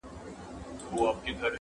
ستا په تصویر پسې اوس ټولي بُتکدې لټوم,